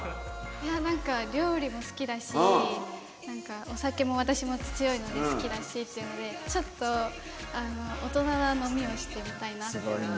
いやなんか料理も好きだしなんかお酒も私も強いので好きだしっていうのでちょっとすごいね。